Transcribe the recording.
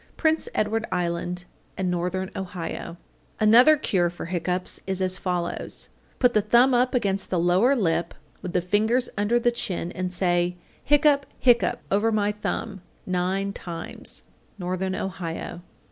Prince Edward Island and Northern Ohio. 850. Another cure for hiccoughs is as follows: Put the thumb up against the lower lip, with the fingers under the chin, and say, "hiccup, hiccup, over my thumb," nine times. _Northern Ohio.